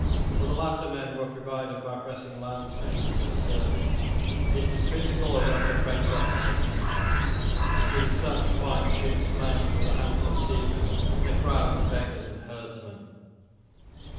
For the latter men were provided by pressing landsmen into the service. "It is pitiful," wrote a French officer, "to see such fine ships manned with a handful of seamen and a crowd of beggars and herdsmen."